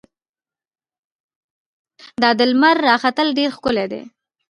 دا د لمر راختل ډېر ښکلی دي.